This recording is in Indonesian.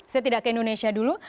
saya tidak ke indonesia dulu